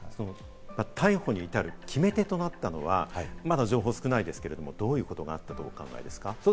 逮捕に至る決め手となったのは、まだ情報少ないですけれども、どういうことだとお考えですか？